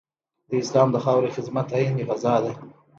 د اسلام د خاورې خدمت عین غزا ده.